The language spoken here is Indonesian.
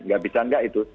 gak bisa enggak itu